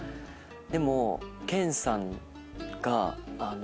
でも謙さんが。